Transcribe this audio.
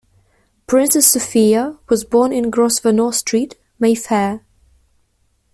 Princess Sophia was born in Grosvenor Street, Mayfair.